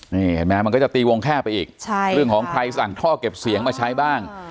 นี่เห็นไหมมันก็จะตีวงแคบไปอีกเรื่องของใครสั่งท่อเก็บเสียงมาใช้บ้าง